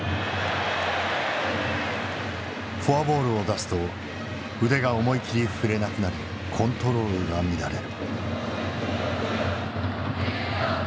フォアボールを出すと腕が思い切り振れなくなりコントロールが乱れる。